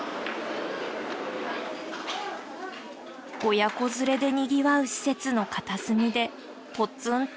親子連れでにぎわう施設の片隅でポツンと。